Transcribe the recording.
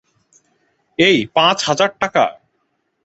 এই পাঁচ হাজার টাকা?